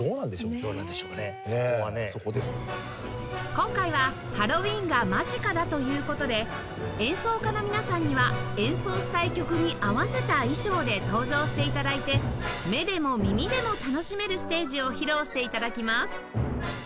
今回はハロウィーンが間近だという事で演奏家の皆さんには演奏したい曲に合わせた衣装で登場して頂いて目でも耳でも楽しめるステージを披露して頂きます！